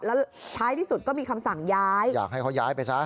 แล้วท้ายที่สุดก็มีคำสั่งย้ายอยากให้เขาย้ายไปซะ